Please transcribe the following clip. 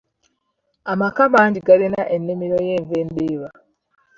Amaka mangi galina ennimiro y'enva endiirwa.